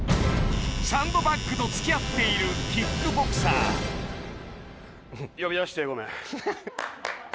「サンドバッグと付き合っているキックボクサー」呼び出してごめん。